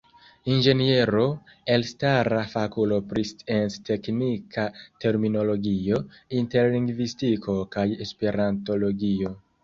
Inĝeniero, elstara fakulo pri scienc-teknika terminologio, interlingvistiko kaj esperantologio.